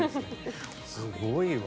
すごいわ。